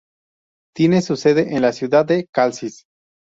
Tiene su sede en la ciudad de Calcis.